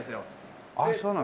あっそうなんだ。